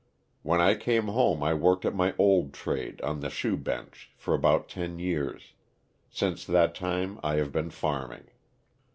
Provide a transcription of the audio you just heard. When I came home I worked at my old trade, on the shoe bench, for about ten years; since that time J have been farming.